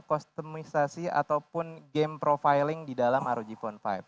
kostemisasi ataupun game profiling di dalam rog phone lima